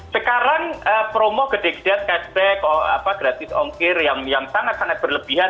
sekarang promo gede gede cashback gratis ongkir yang sangat sangat berlebihan